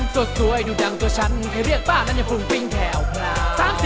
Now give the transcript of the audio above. สวยดูดังตัวฉันใครเรียกบ้านั้นอย่างฟุ้งปิ้งแถวพลา